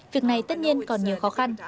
việc này tất nhiên còn nhiều khó khăn